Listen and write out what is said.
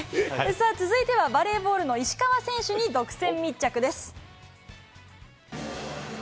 さあ続いてはバレーボールの石川選手に独占密着です。